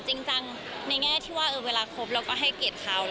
จริงจังในแง่ที่ว่าเออเวลาคบแล้วก็ให้เกร็ดเขา